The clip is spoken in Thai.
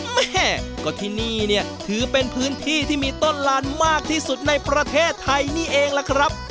แม่ก็ที่นี่เนี่ยถือเป็นพื้นที่ที่มีต้นลานมากที่สุดในประเทศไทยนี่เองล่ะครับ